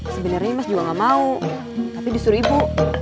sebenernya mas juga nggak mau tapi disuruh ibu